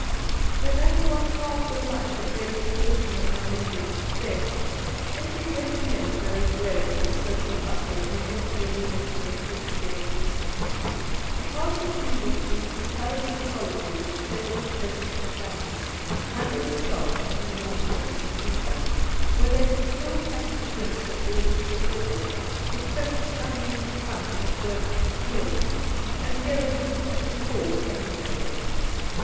No matter what paths of life it may be the fortune of my readers to tread, let me recommend those wearied with social bustle and the empty amenities of present day existence to pass a few weeks in the comparative solitude of several pleasant companions "under the stars" in North Western Rhodesia, where they can still catch a glimpse of the elusive zebras, with coats shining in the sun like burnished steel, and hear the persistent call of the honey bird.